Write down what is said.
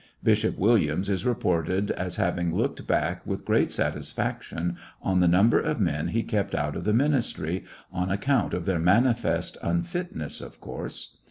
Bishop Williams is reported as having looked back with great satisfaction on the number of men he kept out of the ministry— on account of iheir manifest unfitness, of course.